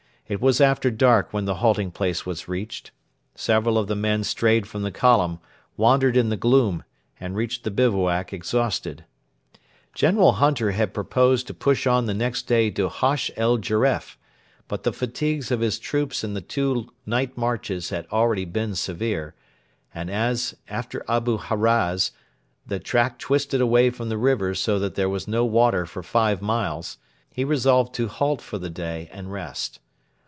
It was after dark when the halting place was reached. Several of the men strayed from the column, wandered in the gloom, and reached the bivouac exhausted. General Hunter had proposed to push on the next day to Hosh el Geref, but the fatigues of his troops in the two night marches had already been severe, and as, after Abu Haraz, the track twisted away from the river so that there was no water for five miles, he resolved to halt for the day and rest.